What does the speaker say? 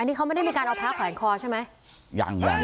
อันนี้เขาไม่ได้มีการเอาพระขวัญคลอใช่ไหม